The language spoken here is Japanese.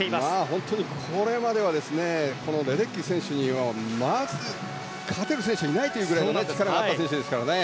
本当にこれまではこのレデッキー選手にはまず勝てる選手がいないというぐらいの力があった選手ですから。